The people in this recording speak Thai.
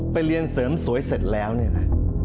เรียนเสริมสวยเสร็จแล้วเนี่ยนะ